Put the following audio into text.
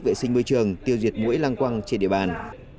vệ sinh môi trường tiêu diệt mũi lăng quăng trên địa bàn